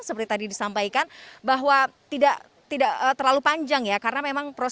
seperti tadi disampaikan bahwa tidak terlalu panjang ya